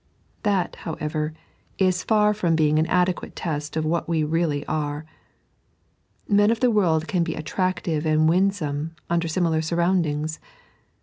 That, however, is far from being ia adequate test of what we reaUy are. Men of the world can be attractive and winsome under similar surroundings.